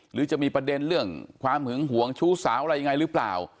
หรือจะมีประเด็นเรื่องความหึงหวงชู้สาวอะไรยังไงหรือเปล่า